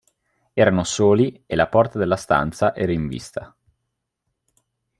Erano soli e la porta della stanza era in vista.